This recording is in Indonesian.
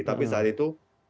tapi saat itu